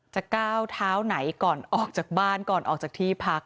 ก้าวเท้าไหนก่อนออกจากบ้านก่อนออกจากที่พัก